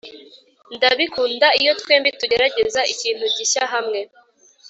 ndabikunda iyo twembi tugerageza ikintu gishya hamwe